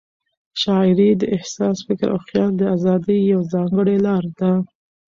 شاعري د احساس، فکر او خیال د آزادۍ یوه ځانګړې لار ده.